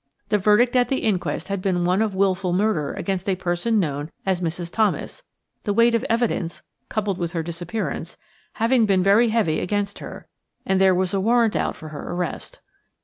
The verdict at the inquest had been one of wilful murder against a person known as Mrs. Thomas, the weight of evidence, coupled with her disappearance, having been very heavy against her; and there was a warrant out for her arrest.